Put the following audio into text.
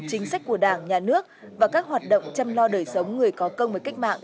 chính sách của đảng nhà nước và các hoạt động chăm lo đời sống người có công với cách mạng